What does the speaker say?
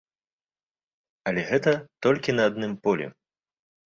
Але гэта толькі на адным полі.